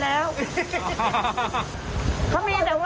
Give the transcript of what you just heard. เดี๋ยวนี้ยายไม่ด่ามันแล้ว